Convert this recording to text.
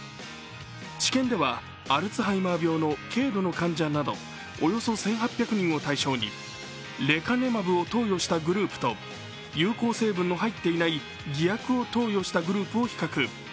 治験ではアルツハイマー病の軽度の患者などおよそ１８００人を対象にレカネマブを投与したグループと有効成分の入っていない偽薬を投与したグループを比較。